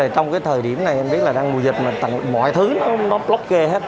trong cái thời điểm này em biết là đang mùa dịch mà tặng mọi thứ nó block ghê hết